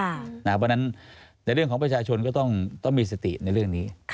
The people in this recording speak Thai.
เพราะฉะนั้นในเรื่องของประชาชนก็ต้องมีสติในเรื่องนี้